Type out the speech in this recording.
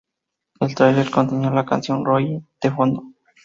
El tráiler contenía la canción "Rollin" de fondo.